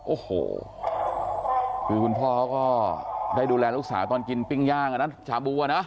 โอ้โหคือคุณพ่อเขาก็ได้ดูแลลูกสาวตอนกินปิ้งย่างอ่ะนะชาบูอ่ะนะ